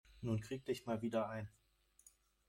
Nun krieg dich mal wieder ein.